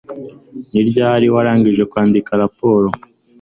Ni ryari warangije kwandika raporo